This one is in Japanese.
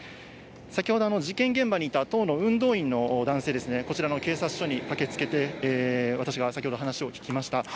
先ほど、事件現場にいた党の運動員の男性ですね、こちらの警察署に駆けつけて、私が先ほど話を聞きました。